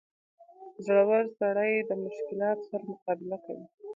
• زړور سړی د مشکلاتو سره مقابله کوي.